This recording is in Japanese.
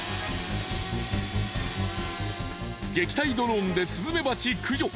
撃退ドローンでスズメバチ駆除。